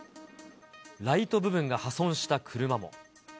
ライト部分が破損した車も。